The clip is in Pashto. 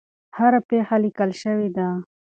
هره پېښه لیکل شوې ده.